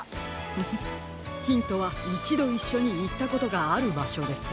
フフッヒントはいちどいっしょにいったことがあるばしょです。